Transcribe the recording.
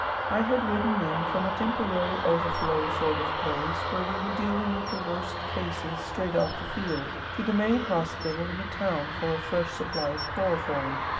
I had ridden in, from a temporary overflow sort of place where we were dealing with the worst cases straight off the field, to the main hospital in the town for a fresh supply of chloroform.